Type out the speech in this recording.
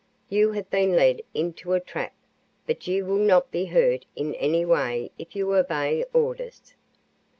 You have been led into a trap; but you will not be hurt in any way if you obey orders.